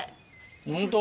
ホント？